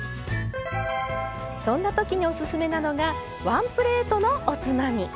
そんなときにオススメなのがワンプレートのおつまみ。